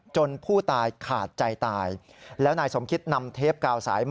จนผู้ตายขาดใจตาย